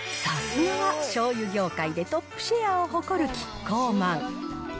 さすがは、しょうゆ業界でトップシェアを誇るキッコーマン。